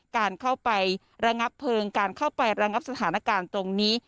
การเข้าไประงับเพลิงการเข้าไประงับสถานการณ์ตรงนี้